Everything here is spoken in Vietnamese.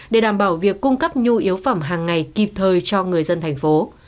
để đảm bảo việc cung cấp nhu yếu phẩm hàng ngày kịp thời cho người dân thành phố